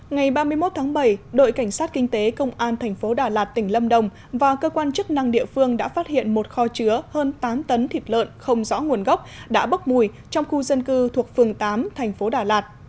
ngày ba mươi một tháng bảy đội cảnh sát kinh tế công an thành phố đà lạt tỉnh lâm đồng và cơ quan chức năng địa phương đã phát hiện một kho chứa hơn tám tấn thịt lợn không rõ nguồn gốc đã bốc mùi trong khu dân cư thuộc phường tám thành phố đà lạt